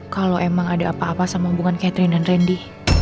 kalau emang ada apa apa sama hubungan catherine dan randy